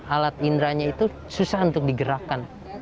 alat indranya itu susah untuk digerakkan